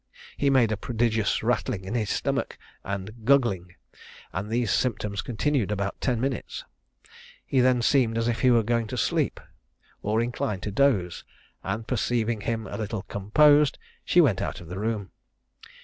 He made a prodigious rattling in his stomach, and guggling; and these symptoms continued about ten minutes. He then seemed as if he was going to sleep, or inclined to dose; and perceiving him a little composed, she went out of the room.